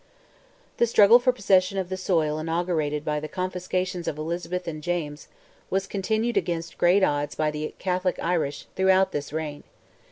The struggle for possession of the soil inaugurated by the confiscations of Elizabeth and James was continued against great odds by the Catholic Irish throughout this reign.